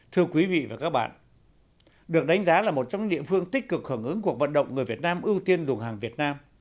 thưa quý vị và các bạn được đánh giá là một trong những địa phương tích cực hưởng ứng cuộc vận động người việt nam ưu tiên dùng hàng việt nam